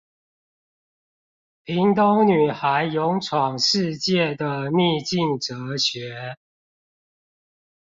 屏東女孩勇闖世界的逆境哲學